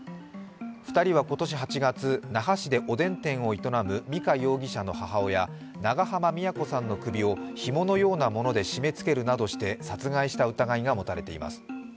２人は今年８月、那覇市でおでん店を営む美香容疑者の母親、長濱美也子さんの首をひものようなもので締め付けるなどして殺害した疑いが持たれています。